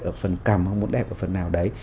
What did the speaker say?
ở phần cầm muốn đẹp ở phần nào đấy